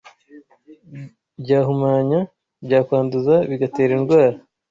Byahumanya: byakwanduza bigatera indwara